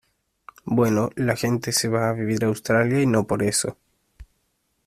bueno, la gente se va a vivir a Australia y no por eso